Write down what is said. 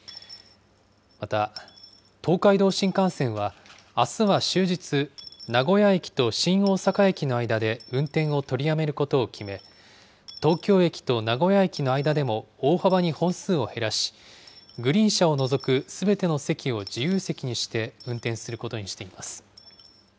また、東海道新幹線は、あすは終日、名古屋駅と新大阪駅の間で運転を取りやめることを決め、東京駅と名古屋駅の間でも大幅に本数を減らし、グリーン車を除くすべての席を自由席にして運転することにしています。